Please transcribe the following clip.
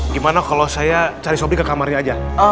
gimana kalau saya cari sopi ke kamarnya aja